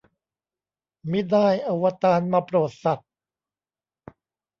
มิได้ อวตาร มาโปรดสัตว์